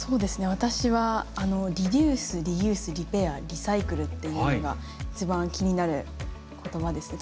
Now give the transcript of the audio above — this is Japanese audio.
私は「リデュース・リユース・リペア・リサイクル」っていうのが一番気になる言葉ですね。